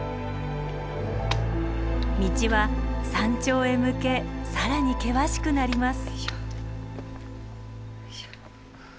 道は山頂へ向け更に険しくなります。